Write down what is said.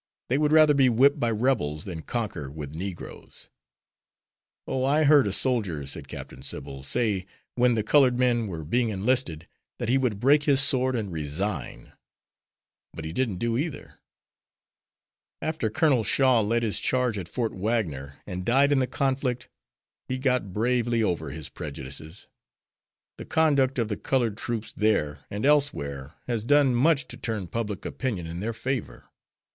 They would rather be whipped by Rebels than conquer with negroes. Oh, I heard a soldier," said Captain Sybil, "say, when the colored men were being enlisted, that he would break his sword and resign. But he didn't do either. After Colonel Shaw led his charge at Fort Wagner, and died in the conflict, he got bravely over his prejudices. The conduct of the colored troops there and elsewhere has done much to turn public opinion in their favor.